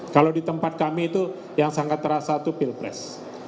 kalau di tempat kami itu yang sangat terasa itu pilpres